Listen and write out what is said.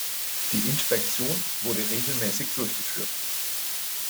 Die Inspektion wurde regelmäßig durchgeführt.